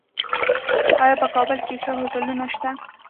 آیا په کابل کې ښه هوټلونه شته؟